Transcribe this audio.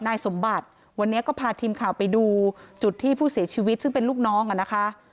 นายสมบัติวันนี้ก็พาทีมข่าวไปดูจุดที่ผู้เสียชีวิตซึ่งเป็นลูกน้องอ่ะนะคะ